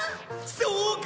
そうか！